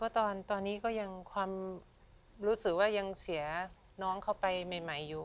ตอนนี้ก็ยังความรู้สึกว่ายังเสียน้องเขาไปใหม่อยู่